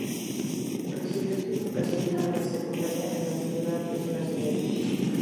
Recibió su educación primaria y secundaria en la ciudad de su nacimiento.